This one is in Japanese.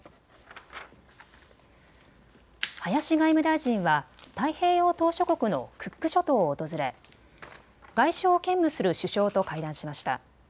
林外務大臣は太平洋島しょ国のクック諸島を訪れ外相を兼務する首相と会談しました。